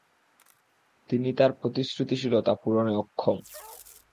তিনি তার প্রতিশ্রুতিশীলতা পূরণে অক্ষম।